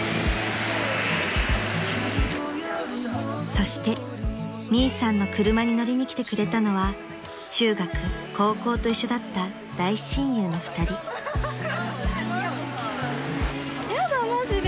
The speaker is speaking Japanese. ［そしてミイさんの車に乗りに来てくれたのは中学高校と一緒だった大親友の２人］やだマジで。